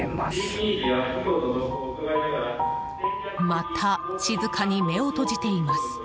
また静かに目を閉じています。